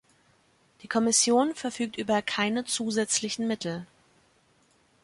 Die Kommission verfügt über keine zusätzliche Mittel.